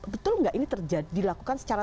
betul nggak ini terjadi dilakukan secara